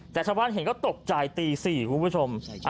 แต่ชาวบ้านเห็นก็ตกใจตี๔คุณผู้ชม